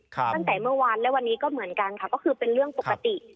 ตั้งแต่เมื่อวานและวันนี้ก็เหมือนกันค่ะก็คือเป็นเรื่องปกติ